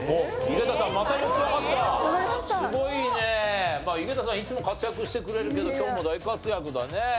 井桁さんいつも活躍してくれるけど今日も大活躍だね。